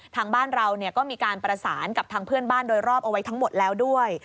ทางบ้านเราก็มีการประสานกับทางเพื่อนบ้านโดยรอบเอาไว้ทั้งหมดแล้วด้วย